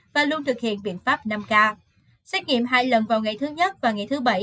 và luôn thực hiện biện pháp năm k xét nghiệm hai lần vào ngày thứ nhất và nghỉ thứ bảy